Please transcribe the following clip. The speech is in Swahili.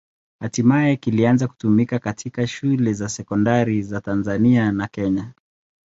Hatimaye kilianza kutumika katika shule za sekondari za Tanzania na Kenya.